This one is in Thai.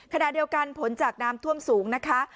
ขณะเดียวกันผลจากน้ำท่วมสูงนะคะ